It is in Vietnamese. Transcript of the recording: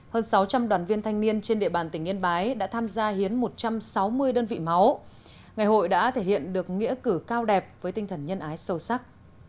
hơn sáu trăm linh đoàn viên thanh niên trên địa bàn tỉnh yên bái đã tham gia hiến một trăm sáu mươi đơn vị máu ngày hội đã thể hiện được nghĩa cử cao đẹp với tinh thần nhân ái sâu sắc